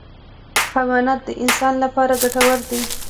حیوانات د انسان لپاره ګټور دي.